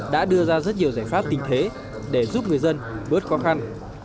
đã đưa ra rất nhiều giải pháp tình thế để giúp người dân bớt khó khăn